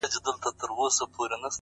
• ستونی ولي په نارو څیرې ناحقه,